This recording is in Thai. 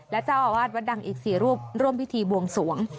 และเจ้าอาวาสวัดดังอีก๔รูปร่วมพิธีบวงสวง